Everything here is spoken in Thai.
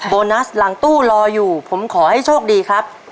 โบนัสหลังตู้รออยู่ผมขอให้โชคดีครับ